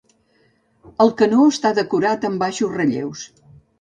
El canó està decorat amb baixos relleus.